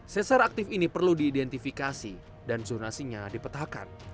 sesar aktif ini perlu diidentifikasi dan zonasinya dipetakan